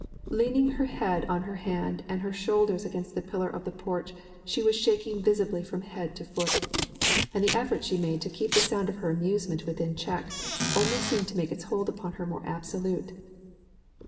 Leaning her head on her hand and her shoulders against a pillar of the porch, she was shaking visibly from head to foot, and the effort she made to keep the sound of her amusement within check only seemed to make its hold upon her more absolute.